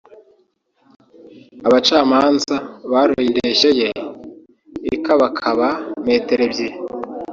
Abacamanza baroye indeshyo ye ikabakaba metero ebyiri